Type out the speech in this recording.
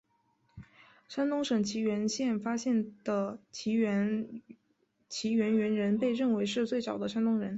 山东省沂源县发现的沂源猿人被认为是最早的山东人。